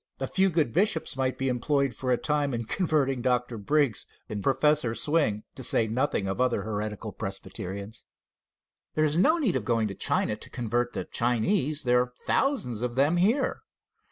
A few good bishops might be employed for a time in converting Dr. Briggs and Professor Swing, to say nothing of other heretical Presbyterians. There is no need of going to China to convert the Chinese. There are thousands of them here.